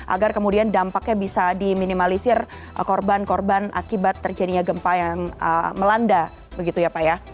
agar kemudian dampaknya bisa diminimalisir korban korban akibat terjadinya gempa yang melanda begitu ya pak ya